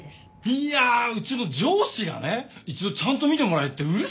いやうちの上司がね一度ちゃんと診てもらえってうるさくって。